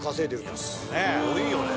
いやすごいよね